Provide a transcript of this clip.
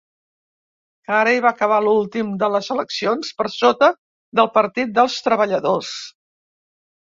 Carey va acabar últim de les eleccions, per sota del Partit dels Treballadors.